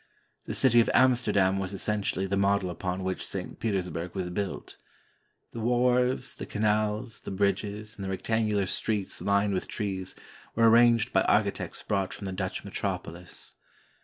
The city of Amsterdam was essentially the model upon which St. Petersburg was built. The wharves, the canals, the bridges, and the rectangular streets lined with trees were arranged by architects brought from the Dutch metropolis.